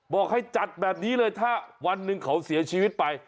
บอกให้จัดแบบนี้เลยถ้าวันหนึ่งเขาเสียชีวิตไป